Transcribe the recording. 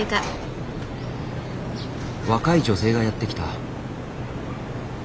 若い女性がやって来た。